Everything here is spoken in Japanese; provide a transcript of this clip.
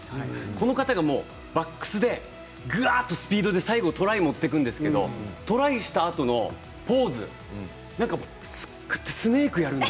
この方がバックスで、ぐわっとスピードで最後、トライに持っていくんですけどトライしたあとのポーズ見たい。